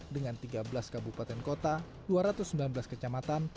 dengan tiga belas kabupaten kota dua ratus sembilan belas kecamatan